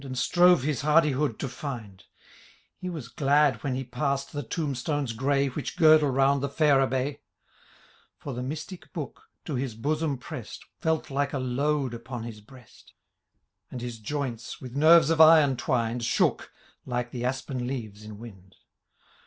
And strove his hardihood to find : He was glad when he passed the tombstones grey Which girdle romid the fair Abbaye ; For the mystic Book, to his bosom prest. Felt like a load upon his breast ; And his joints, with nerves of iron twined. Shook, like the aspen leaves in wind.